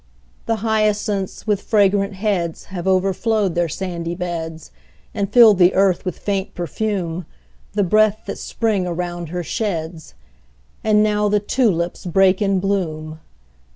The hyacinths, with fragrant heads, Have overflowed their sandy beds, And fill the earth with faint perfume, The breath that Spring around her sheds. And now the tulips break in bloom!